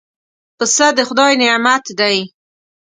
پسه د خدای نعمت دی.